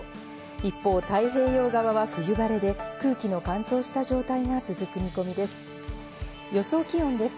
一方、太平洋側は冬晴れで、空気の乾燥した状態が続く見込みです。